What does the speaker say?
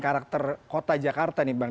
karakter kota jakarta nih bang